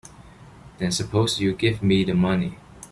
Then suppose you give me the money.